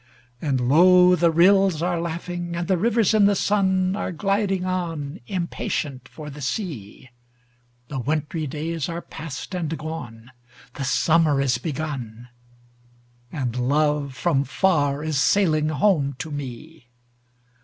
And low the rills are laughing, and the rivers in the sun Are gliding on, impatient for the sea; The wintry days are past and gone, the summer is begun, And love from far is sailing home to me!